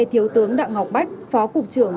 thiếu tướng đặng ngọc bách phó cục trưởng